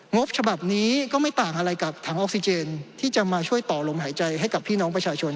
งบฉบับนี้ก็ไม่ต่างอะไรกับถังออกซิเจนที่จะมาช่วยต่อลมหายใจให้กับพี่น้องประชาชน